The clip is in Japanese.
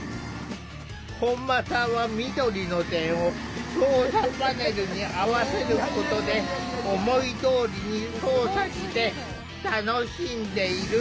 本間さんは緑の点を操作パネルに合わせることで思いどおりに操作して楽しんでいる。